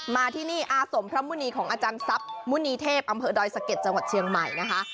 มาที่นี่อาสมพระมุณีของอาจารย์ทรัพย์มุณีเทพอำเภอดอยสะเก็ดจังหวัดเชียงใหม่นะคะ